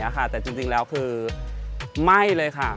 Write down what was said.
แต่จริงแล้วคือไม่เลยค่ะ